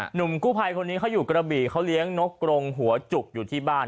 หนุ่มกู้ภัยคนนี้เขาอยู่กระบี่เขาเลี้ยงนกกรงหัวจุกอยู่ที่บ้าน